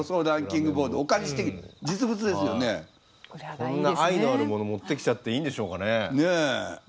こんな愛のあるもの持ってきちゃっていいんでしょうかね。